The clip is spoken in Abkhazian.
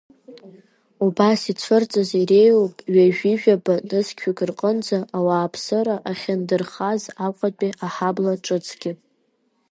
Убас ицәырҵыз иреиуоуп ҩажәижәаба нызқьҩык рҟынӡа ауааԥсыра ахьындырхаз Аҟәатәи аҳабла ҿыцгьы.